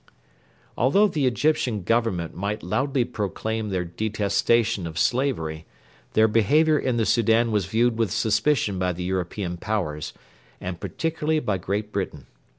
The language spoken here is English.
Although the Egyptian Government might loudly proclaim their detestation of slavery, their behaviour in the Soudan was viewed with suspicion by the European Powers, and particularly by Great Britain.